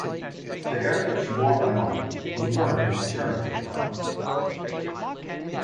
The area of Zboriv Raion was merged into Ternopil Raion.